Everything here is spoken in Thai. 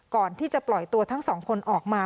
ก่อนที่จะปล่อยตัวทั้งสองคนออกมา